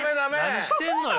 何してんのよ。